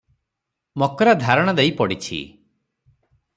ମକ୍ରା ଧାରଣା ଦେଇ ପଡ଼ିଛି ।